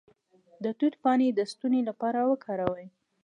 د توت پاڼې د ستوني لپاره وکاروئ